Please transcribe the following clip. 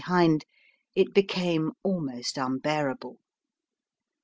behind, it became almost unbearable.